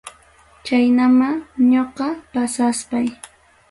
Chaynama ñoqa pasaspay.